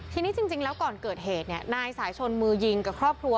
ทีนี้จริงแล้วก่อนเกิดเหตุเนี่ยนายสายชนมือยิงกับครอบครัว